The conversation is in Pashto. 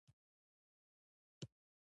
یوه ورځ مومن خان د باچا تر څنګ ناست دی.